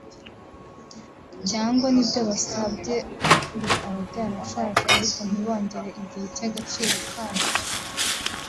cyangwa n’ibyo basabye bikaba byarashaje ariko ntibongere igihe cy’agaciro kabyo